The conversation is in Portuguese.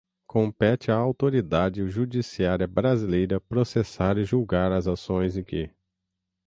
Compete à autoridade judiciária brasileira processar e julgar as ações em que: